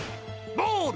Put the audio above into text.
ボール！